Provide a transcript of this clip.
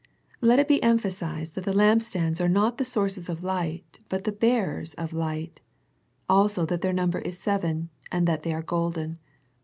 Let it be emphasized that the lampstands are not the sources of light but the bearers of light, also that their number is seven, and that they are golden.